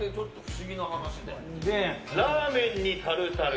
ラーメンにタルタル。